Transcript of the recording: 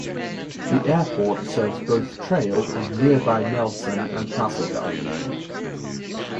The airport serves both Trail and nearby Nelson and Castlegar.